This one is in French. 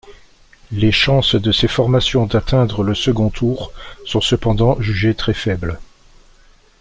Les chances de ces formations d'atteindre le second tour sont cependant jugées très faibles.